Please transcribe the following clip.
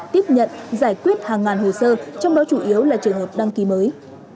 tiếp nhận giải quyết hàng ngàn hồ sơ trong đó chủ yếu là trường hợp đăng ký mới